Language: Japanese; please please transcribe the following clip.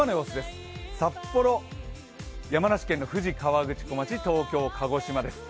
札幌、山梨県の富士河口湖町東京、鹿児島です。